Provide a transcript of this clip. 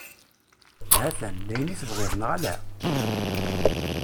Hatan, d ayen i tebɣiḍ, neɣ ala?